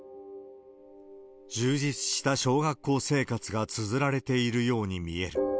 充実した小学校生活がつづられているように見える。